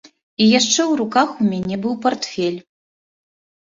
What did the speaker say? І яшчэ ў руках у мяне быў партфель.